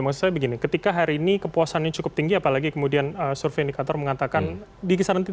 maksud saya begini ketika hari ini kepuasannya cukup tinggi apalagi kemudian survei indikator mengatakan di kisaran tiga puluh